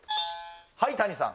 はい谷さん